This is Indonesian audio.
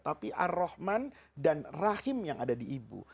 tetapi anar rahman dan rahim yang ada di ibu